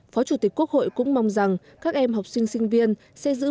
phó chủ tịch quốc hội cũng mong rằng các em học sinh sinh viên sẽ giữ